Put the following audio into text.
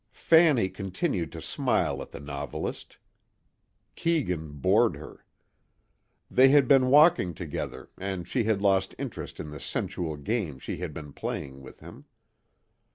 Fanny continued to smile at the novelist. Keegan bored her. They had been walking together and she had lost interest in the sensual game she had been playing with him.